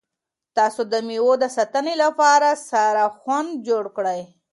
تاسو د مېوو د ساتنې لپاره سړه خونه جوړه کړئ.